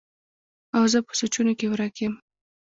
او زۀ پۀ سوچونو کښې ورک يم